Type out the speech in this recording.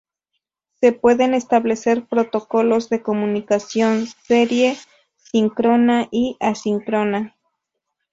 Se pueden establecer protocolos de comunicación serie síncrona y asíncrona.